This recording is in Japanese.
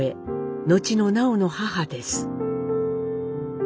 後の南朋の母です。